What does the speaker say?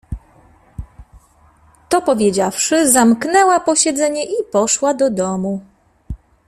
To powiedziawszy, zamknęła posiedzenie i poszła do domu.